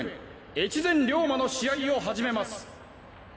越前リョーマの試合を始めます！